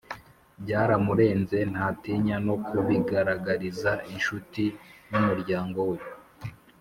byaramurenze ntatinya no kubigaragariza inshuti n’umuryango we.